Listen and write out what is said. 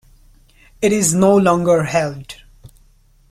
It is no longer held.